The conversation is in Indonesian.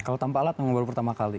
kalau tanpa alat memang baru pertama kali